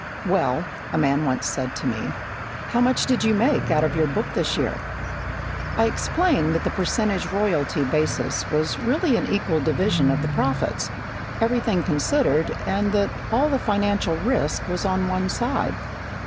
"Well," a man once said to me, "how much did you make out of your book this year?" I explained that the percentage royalty basis was really an equal division of the profits, everything considered, and that all the financial risk was on one side.